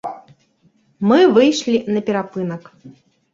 Мы выйшлі на перапынак.